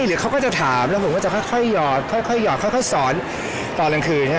หรือเขาก็จะถามแล้วผมก็จะค่อยสอนตอนกลางคืน